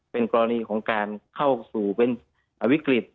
เป็นกรณีของการเข้าสู่เป็นวิกฤต